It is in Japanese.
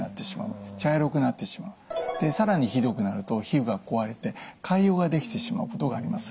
更にひどくなると皮膚が壊れて潰瘍が出来てしまうことがあります。